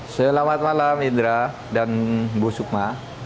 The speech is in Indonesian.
selamat malam indra dan bu sukma